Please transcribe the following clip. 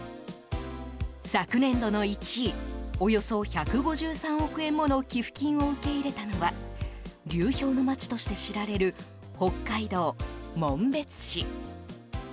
昨年度の１位およそ１５３億円もの寄付金を受け入れたのは流氷の街として知られる北海道紋別市。